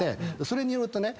それによるとね